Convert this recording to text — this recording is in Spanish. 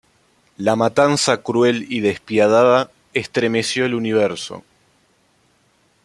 La matanza cruel y despiadada estremeció el universo.